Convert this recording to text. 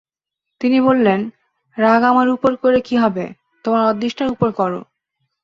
তিনি বললেন, রাগ আমার উপরে করে কী হবে, তোমার অদৃষ্টের উপর করো।